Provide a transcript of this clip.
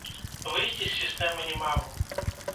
Выйсці з сістэмы не магу.